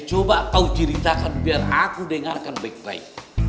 hai coba kau ceritakan biar aku dengarkan baik baik